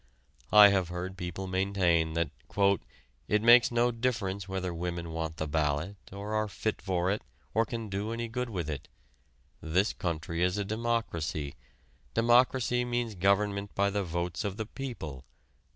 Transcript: I have heard people maintain that: "it makes no difference whether women want the ballot, or are fit for it, or can do any good with it, this country is a democracy. Democracy means government by the votes of the people.